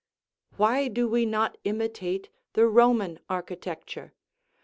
Why do we not imitate the Roman architecture?